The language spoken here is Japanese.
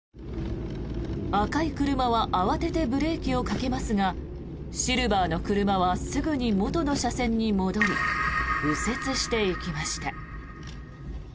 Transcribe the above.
赤い車は慌ててブレーキをかけますがシルバーの車はすぐに元の車線に戻り右折していきました。